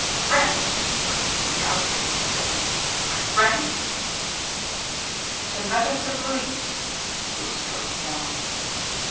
"Friend!" repeated the outraged Drummond. "My friend!" "It is a matter for the police," Bulstrode yawned.